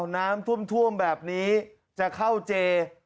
น้ำท่วมแบบนี้จะเข้าเจ